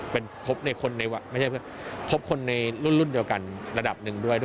เป็นครบในคนในไม่ใช่ครบคนในรุ่นเดียวกันระดับหนึ่งด้วย